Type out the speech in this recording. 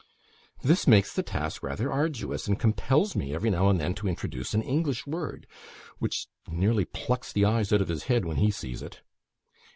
This makes the task rather arduous, and compels me every now and then to introduce an English word, which nearly plucks the eyes out of his head when he sees it.